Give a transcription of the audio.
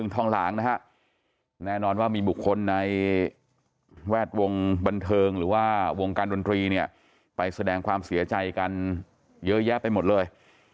ทองหลางนะฮะแน่นอนว่ามีบุคคลในแวดวงบันเทิงหรือว่าวงการดนตรีเนี่ยไปแสดงความเสียใจกันเยอะแยะไปหมดเลย